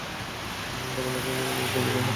তোমাদেরকে তিনি এই নির্দেশ দিলেন, যেন তোমরা অনুধাবন কর।